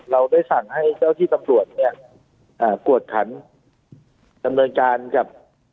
เราได้สั่งให้เจ้าที่ตำรวจเนี่ยกวดขันดำเนินการกับ